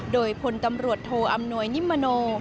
โดยพลตำรวจโทอำนวยนิมมโน